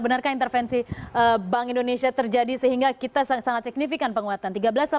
benarkah intervensi bank indonesia terjadi sehingga kita sangat signifikan penguatan